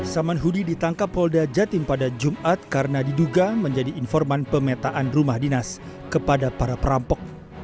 saman hudi ditangkap polda jatim pada jumat karena diduga menjadi informan pemetaan rumah dinas kepada para perampok